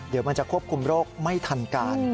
เดี๋ยวมันจะควบคุมโรคไม่ทันการ